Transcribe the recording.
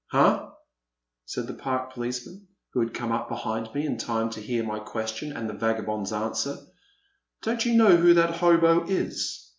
'^ Huh !'* said the Park policeman who had come up behind me in time to hear my question and the vagabond's answer; '* don't you know who that hobo is?